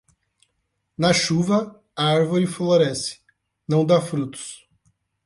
Na chuva, a árvore floresce, não dá frutos.